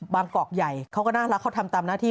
กอกใหญ่เขาก็น่ารักเขาทำตามหน้าที่